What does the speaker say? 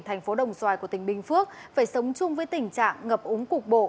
thành phố đồng xoài của tỉnh bình phước phải sống chung với tình trạng ngập úng cục bộ